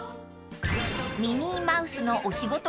［ミニーマウスのお仕事